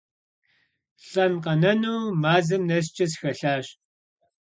ЛӀэн-къэнэну мазэм нэскӀэ сыхэлъащ.